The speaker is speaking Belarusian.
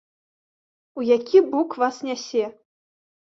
У які бок вас нясе?